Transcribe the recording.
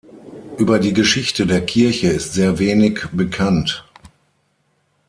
Über die Geschichte der Kirche ist sehr wenig bekannt.